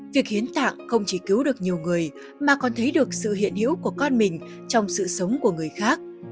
việc hiến tạng không chỉ cứu được nhiều người mà còn thấy được sự hiện hữu của con mình trong sự sống của người khác